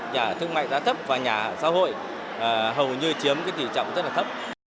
nhà thương mại giá thấp và nhà ở xã hội hầu như chiếm tỷ trọng rất là thấp